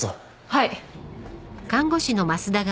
はい。